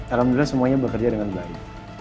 alhamdulillah semuanya bekerja dengan baik